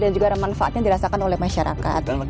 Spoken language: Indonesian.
dan juga ada manfaatnya dirasakan oleh masyarakat